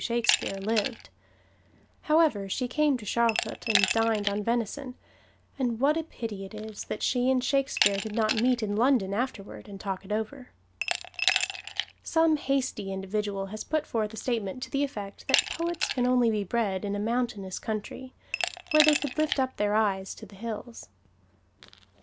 Shakespeare lived. However, she came to Charlcote and dined on venison, and what a pity it is that she and Shakespeare did not meet in London afterward and talk it over! Some hasty individual has put forth a statement to the effect that poets can only be bred in a mountainous country, where they could lift up their eyes to the hills.